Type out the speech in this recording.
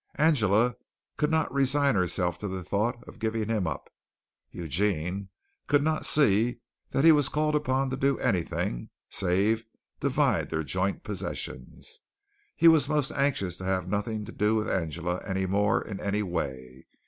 Angela could not resign herself to the thought of giving him up. Eugene could not see that he was called upon to do anything, save divide their joint possessions. He was most anxious to have nothing to do with Angela anymore in any way.